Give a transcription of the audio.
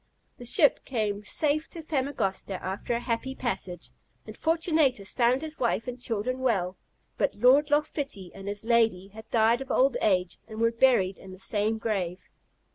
The ship came safe to Famagosta, after a happy passage, and Fortunatus found his wife and children well; but Lord Loch Fitty and his lady had died of old age, and were buried in the same grave.